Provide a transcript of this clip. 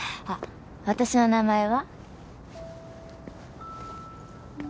私の名前は？